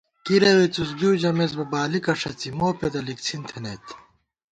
کِرَوےڅُس بؤ ژمېس بہ بالِکہ ݭڅی موپېدہ لِکڅِھن تھنَئیت